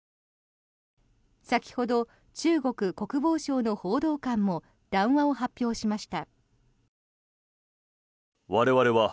先ほど、中国国防省の報道官も談話を発表しました。